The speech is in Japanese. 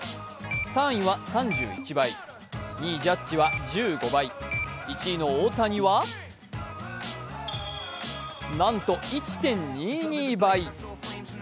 ３位は３１倍、２位、ジャッジは１５倍、１位の大谷はなんと１．２２倍！